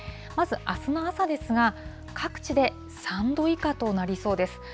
まずあすの朝ですが、各地で３度以下となりそうです。